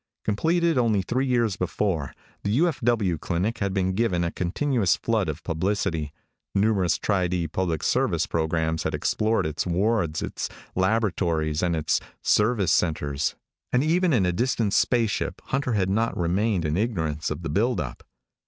Completed only three years before, the U.F.W. clinic had been given a continuous flood of publicity. Numerous Tri D public service programs had explored its wards, its laboratories, and its service centers, and even in a distant spaceship Hunter had not remained in ignorance of the build up.